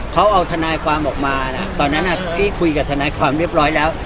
เขาเอาทนายความออกมาตอนนั้นพี่คุยกับทนายความเรียบร้อยแล้ว